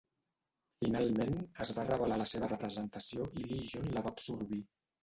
Finalment, es va revelar la seva representació i Legion la va absorbir.